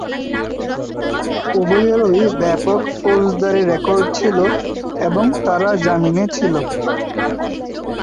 উভয়েরই ব্যাপক ফৌজদারি রেকর্ড ছিল এবং তারা জামিনে ছিল।